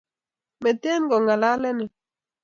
meten kong'alalenin